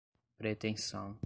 pretensão